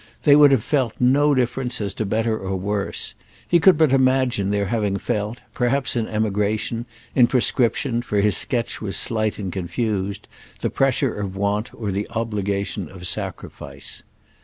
They would have felt no difference as to better or worse. He could but imagine their having felt—perhaps in emigration, in proscription, for his sketch was slight and confused—the pressure of want or the obligation of sacrifice.